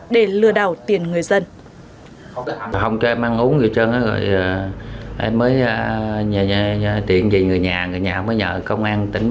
để lừa đảo tiền người dân